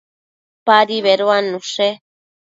Padi beduannushe